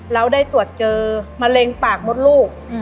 เราได้ตรวจเจอมะเร็งปากมดลูก